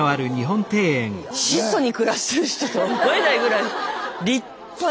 質素に暮らしてる人とは思えないぐらい立派な。